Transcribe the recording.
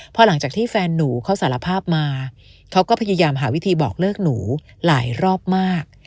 พอหลังจากที่แฟนหนูเขาสารภาพมาเขาก็พยายามหาวิธีบอกเลิกหนูหลายรอบมาก